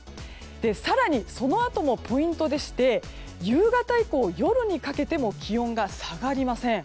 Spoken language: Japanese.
更に、そのあともポイントでして夕方以降、夜にかけても気温が下がりません。